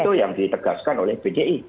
itu yang ditegaskan oleh bdi